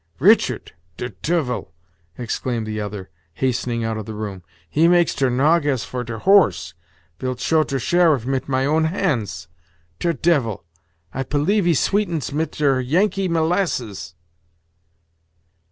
"Richart! ter duyvel!" exclaimed the other, hastening out of the room; "he makes ter nog as for ter horse vilt show ter sheriff mit my own hants! Ter duyvel! I pelieve he sweetens mit ter Yankee melasses!"